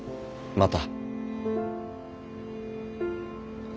また！